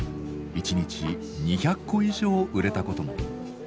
１日２００個以上売れたことも。